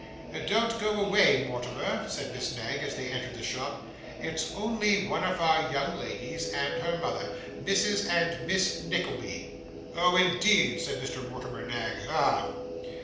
'Don't go away, Mortimer,' said Miss Knag as they entered the shop. 'It's only one of our young ladies and her mother. Mrs. and Miss Nickleby.' 'Oh, indeed!' said Mr. Mortimer Knag. 'Ah!